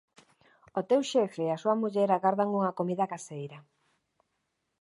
O teu xefe e a súa muller agardan unha comida caseira.